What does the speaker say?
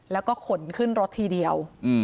แล้วก็ขนขึ้นรถทีเดียว